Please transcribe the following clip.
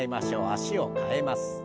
脚を替えます。